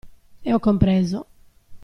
E ho compreso!